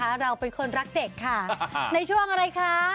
เราเป็นคนรักเด็กค่ะในช่วงอะไรคะ